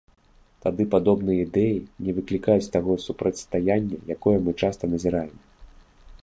Тады падобныя ідэі не выклікаюць таго супрацьстаяння, якое мы часта назіраем.